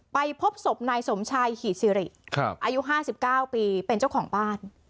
ไปพบศพนายสมชายขี่สิริครับอายุห้าสิบเก้าปีเป็นเจ้าของบ้าน